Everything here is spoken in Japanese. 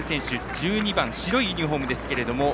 １２番、白いユニフォームですが。